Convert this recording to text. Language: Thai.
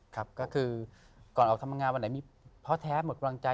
ก็คือก่อนเอาทำงานวันไหนมีเพราะแท้หมดกำลังใจ